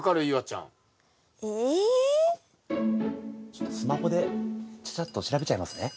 ちょっとスマホでちゃちゃっと調べちゃいますね。